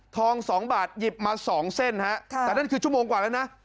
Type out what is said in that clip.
๒บาทหยิบมา๒เส้นฮะแต่นั่นคือชั่วโมงกว่าแล้วนะ